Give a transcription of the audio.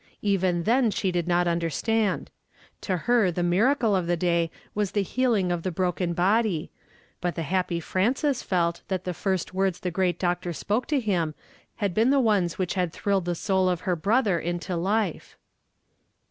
Even then she did not understand. To her the miracle of the day was the healing of the broken I .y; but the happy Frances felt that the first words the great doctor spoke to him had been the ones which had thrilled the soul of her brother into life.